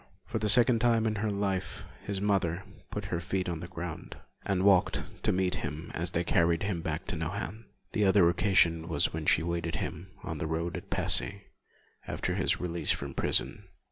For the second time in her life, his mother put her feet on the ground, and walked to meet him as they carried him back to Nohant. The other occasion was when she awaited him on the road at Passy, after his release from prison.